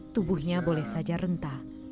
tubuhnya boleh saja rentah